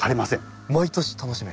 毎年楽しめる。